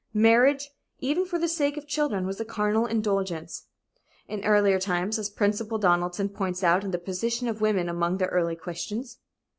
"Marriage, even for the sake of children was a carnal indulgence" in earlier times, as Principal Donaldson points out in "_The Position of Women Among the Early Christians.